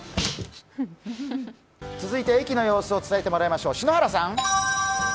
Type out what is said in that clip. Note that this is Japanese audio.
続いて駅の様子を伝えてもらいましょう。